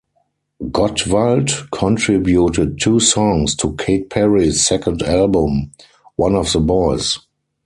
Gottwald contributed two songs to Katy Perry's second album,"One of the Boys".